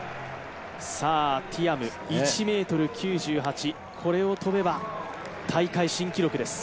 ティアム、１ｍ９８、これを跳べば大会新記録です。